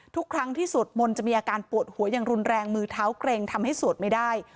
ทุกครั้งที่สวดมนต์จะมีอาการปวดหัวอย่างรุนแรงมือเท้าเกร็งทำให้สวดไม่ได้